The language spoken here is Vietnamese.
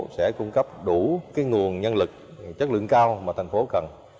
sẽ cung cấp đủ nguồn nhân lực chất lượng cao mà thành phố cần